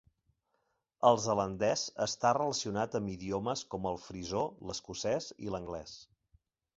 El zelandès està relacionat amb idiomes com el frisó, l'escocès i l'anglès.